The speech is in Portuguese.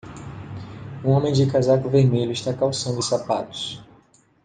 Um homem de casaco vermelho está calçando os sapatos.